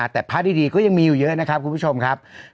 แต่ภาพดีก็ยังมีอยู่เยอะนะครับคุณผู้ชมครับ